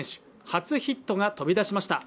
初ヒットが飛び出しました。